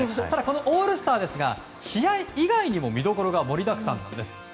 オールスターですが試合以外にも見どころが盛りだくさんなんです。